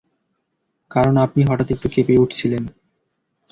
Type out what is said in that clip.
কারণ আপনি হঠাৎ একটু কেঁপে উঠেছিলেন।